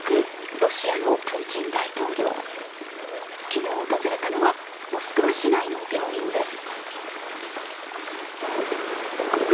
昨日訪れたのはモスクワ市内の病院です。